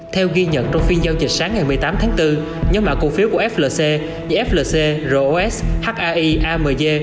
theo ghi nhận trong phiên giao dịch sáng ngày một mươi tám tháng bốn nhóm mã cổ phiếu của flc như flc ros hai amg